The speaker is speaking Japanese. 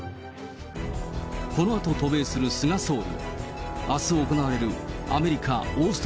このあと渡米する菅総理。